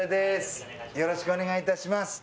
よろしくお願いします